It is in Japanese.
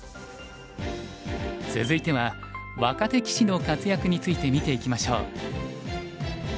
続いては若手棋士の活躍について見ていきましょう。